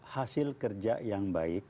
hasil kerja yang baik